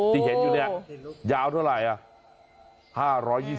ที่เห็นแนี่ยยาวเท่าไหร่